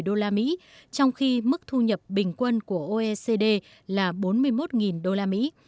là khoảng ba mươi ba một trăm một mươi đô la mỹ trong khi mức thu nhập bình quân của oecd là bốn mươi một đô la mỹ